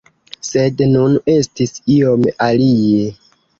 Sed nun estis iom alie.